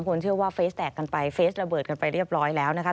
คนเชื่อว่าเฟสแตกกันไปเฟสระเบิดกันไปเรียบร้อยแล้วนะคะ